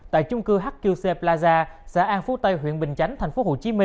tại chung cư hqc plaza xã an phú tây huyện bình chánh tp hcm